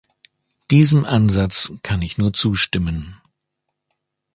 Diesem Ansatz kann ich nur zustimmen.